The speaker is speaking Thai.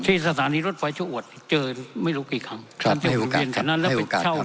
ที่สถานีรถไฟชุอดเจอไม่รู้กี่ครั้งครับให้โอกาสครับ